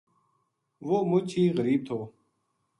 وہ مچ ہی غریب تھو